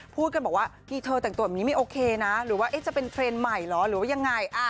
พูดกันบอกว่านี่เธอแต่งตัวแบบนี้ไม่โอเคนะหรือว่าจะเป็นเทรนด์ใหม่เหรอหรือว่ายังไง